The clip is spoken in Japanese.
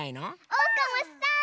おうかもしたい！